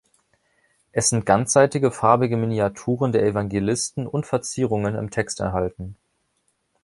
Es sind ganzseitige farbige Miniaturen der Evangelisten und Verzierungen im Text erhalten.